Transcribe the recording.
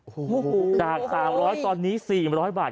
โอ้โหจาก๓๐๐ตอนนี้๔๐๐บาท